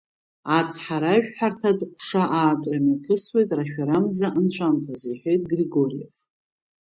Ацҳаражәҳәарҭатә ҟәша аартра мҩаԥысуеит рашәарамза анҵәамҭазы, — иҳәеит Григориев.